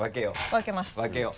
分けます。